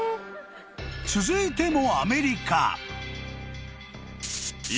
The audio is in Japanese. ［続いても］